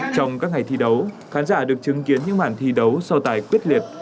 trong các ngày thi đấu khán giả được chứng kiến những màn thi đấu so tài quyết liệt